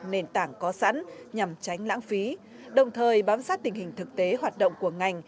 nền tảng có sẵn nhằm tránh lãng phí đồng thời bám sát tình hình thực tế hoạt động của ngành